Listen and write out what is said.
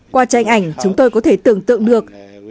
qua tranh ảnh chúng tôi có thể tưởng tượng được